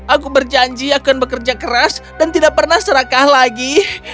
aku berjanji akan bekerja keras dan tidak pernah serakah lagi